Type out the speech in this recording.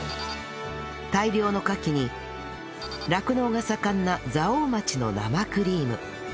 大量のカキに酪農が盛んな蔵王町の生クリーム